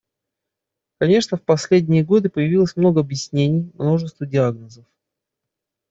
Конечно, в последние годы появилось много объяснений, множество диагнозов,.